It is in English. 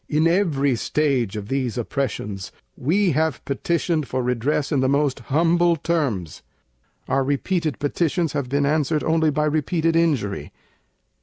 In every stage of these Oppressions We have Petitioned for Redress in the most humble terms: Our repeated Petitions have been answered only by repeated injury.